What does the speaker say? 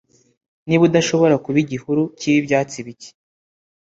niba udashobora kuba igihuru kibe ibyatsi bike